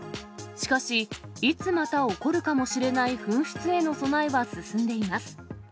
しかし、いつまた起こるかもしれない噴出への備えは進んでいます。